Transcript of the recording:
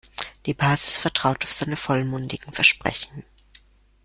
Die Basis vertraut auf seine vollmundigen Versprechen.